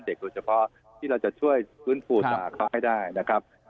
เด็กโดยเฉพาะที่จะช่วยวุ่นผู้สาไปให้ได้นะครับ